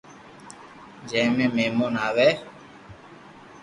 جي مي مھمون آوي